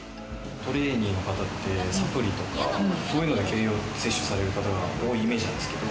トレーニングの方ってサプリとか、そういうので栄養を摂取される方が多いイメージですけど。